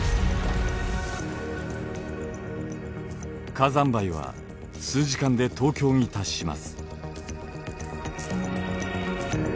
火山灰は数時間で東京に達します。